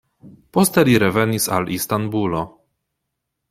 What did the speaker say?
Poste li revenis al Istanbulo.